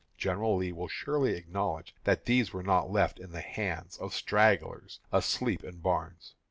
General Lee will surely acknowledge these were not left in the hands of stragglers asleep in barns.